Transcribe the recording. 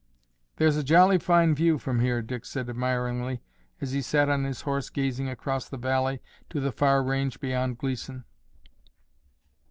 "There's a jolly fine view from here," Dick said admiringly as he sat on his horse gazing across the valley to the far range beyond Gleeson.